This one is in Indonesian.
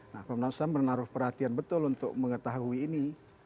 nah komnas ham menaruh perhatian betul untuk mengetahui ini